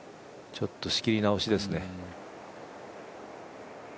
ちょっと仕切り直しですね。